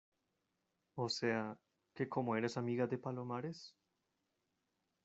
o sea, que como eres amiga de Palomares